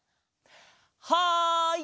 はい！